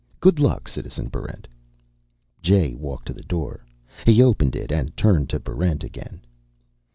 Good luck, Citizen Barrent." Jay walked to the door. He opened it and turned to Barrent again.